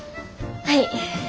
はい。